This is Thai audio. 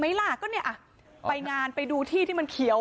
ล่ะก็เนี่ยไปงานไปดูที่ที่มันเขียว